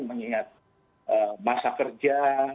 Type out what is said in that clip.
mengingat masa kerja